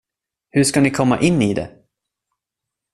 Hur ska ni komma in i det?